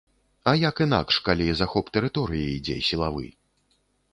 А як інакш, калі захоп тэрыторыі ідзе сілавы.